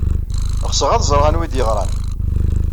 Ɣseɣ ad ẓreɣ anwa ay d-yeɣran.